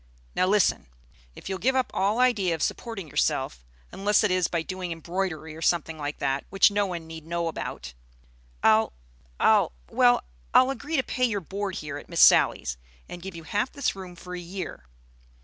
Now, listen. If you'll give up all idea of supporting yourself, unless it is by doing embroidery or something like that, which no one need know about, I'll I'll well I'll agree to pay your board here at Miss Sally's, and give you half this room for a year.